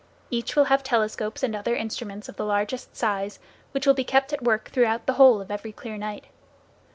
Each will have telescopes and other instruments of the largest size, which will be kept at work throughout the whole of every clear night.